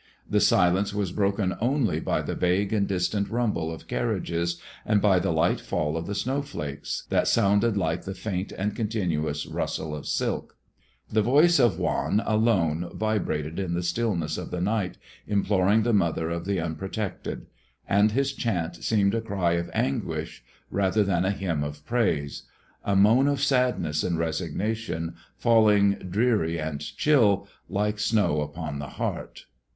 The silence was broken only by the vague and distant rumble of carriages and by the light fall of the snowflakes, that sounded like the faint and continuous rustle of silk. The voice of Juan alone vibrated in the stillness of the night, imploring the mother of the unprotected; and his chant seemed a cry of anguish rather than a hymn of praise, a moan of sadness and resignation falling dreary and chill, like snow upon the heart.